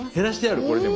これでも。